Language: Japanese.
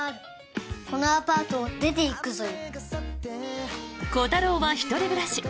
このアパートを出ていくぞよ。